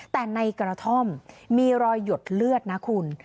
แต่ในกระท่อมมีรอยหยดเลือดนะคุณ